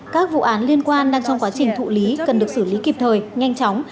các vụ án liên quan đang trong quá trình thụ lý cần được xử lý kịp thời nhanh chóng